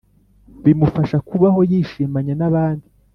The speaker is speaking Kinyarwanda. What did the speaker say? bimufasha kubaho yishimyanye nabandi?